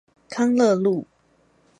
康樂路